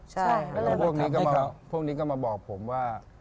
ใช่พวกนี้ก็มาบอกผมว่า